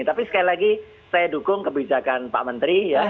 tapi sekali lagi saya dukung kebijakan pak menteri ya